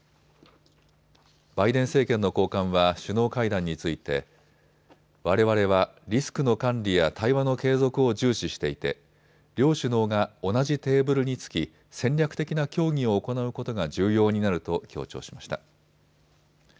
バイデン政権の高官は首脳会談についてわれわれはリスクの管理や対話の継続を重視していて両首脳が同じテーブルにつき戦略的な協議を行うことが重要になると強調しました。